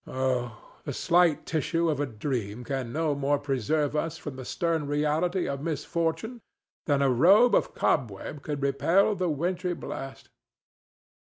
Oh, the slight tissue of a dream can no more preserve us from the stern reality of misfortune than a robe of cobweb could repel the wintry blast.